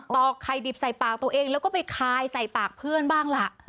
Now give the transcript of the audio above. อกไข่ดิบใส่ปากตัวเองแล้วก็ไปคายใส่ปากเพื่อนบ้างล่ะ